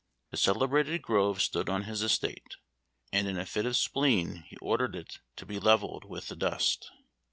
The celebrated grove stood on his estate, and in a fit of spleen he ordered it to be levelled with the dust.